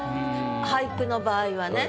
俳句の場合はね。